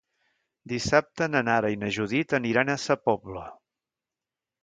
Dissabte na Nara i na Judit aniran a Sa Pobla.